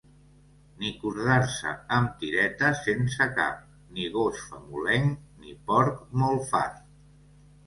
Ni cordar-se amb tiretes sense cap, ni gos famolenc, ni porc molt fart.